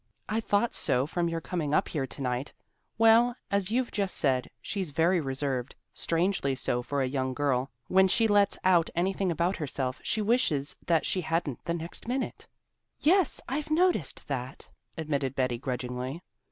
"I thought so from your coming up here to night. Well, as you've just said, she's very reserved, strangely so for a young girl; when she lets out anything about herself she wishes that she hadn't the next minute." "Yes, I've noticed that," admitted Betty grudgingly.